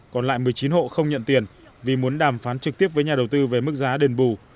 còn lại một mươi chín hộ không nhận tiền vì muốn đàm phán trực tiếp với nhà đầu tư về mức giá đền bù